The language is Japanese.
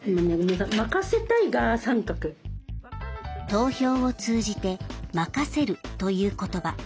投票を通じて「任せる」という言葉。